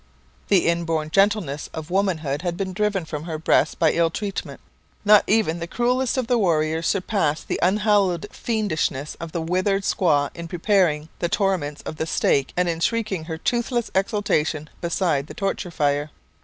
The inborn gentleness of womanhood had been driven from her breast by ill treatment. Not even the cruelest of the warriors surpassed the unhallowed fiendishness of the withered squaw in preparing the torments of the stake and in shrieking her toothless exultation beside the torture fire.